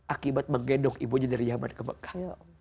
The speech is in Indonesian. akibat menggendong ibunya dari zaman ke mekah